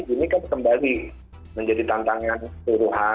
ini kan kembali menjadi tantangan seluruhan